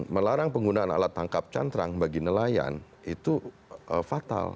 melarang penggunaan alat tangkap cantrang bagi nelayan itu fatal